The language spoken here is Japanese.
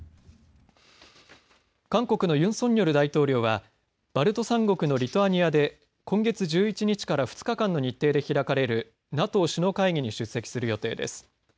韓国のユン・ソンニョル大統領はバルト三国のリトアニアで今月１１日から２日間の日程で開かれるＮＡＴＯ首脳会議に出席する予定です。